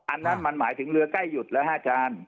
อันนั้นมันหมายถึงเรือใกล้หยุดละ๕จาน